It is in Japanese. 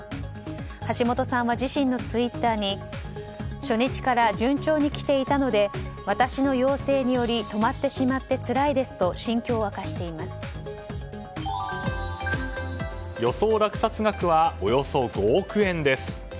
橋本さんは自身のツイッターに初日から順調に来ていたので私の陽性により止まってしまってつらいですと予想落札額はおよそ５億円です。